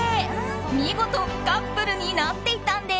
見事カップルになっていたんです。